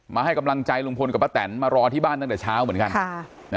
ให้กำลังใจลุงพลกับป้าแตนมารอที่บ้านตั้งแต่เช้าเหมือนกัน